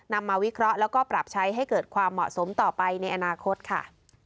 นำมาวิเคราะห์แล้วก็ปรับใช้ให้เกิดความเหมาะสมต่อไปในอนาคตค่ะ